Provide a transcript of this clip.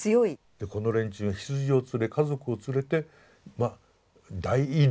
でこの連中が羊を連れ家族を連れてまあ大移動ですよね。